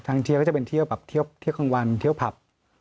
เที่ยวก็จะเป็นเที่ยวแบบเที่ยวกลางวันเที่ยวผับ